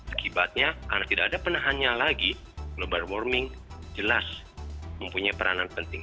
akibatnya karena tidak ada penahannya lagi global warming jelas mempunyai peranan penting